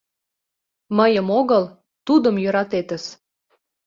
Мыйым огыл — тудым йӧратетыс.